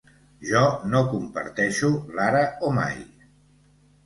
“Jo no comparteixo l”ara o mai.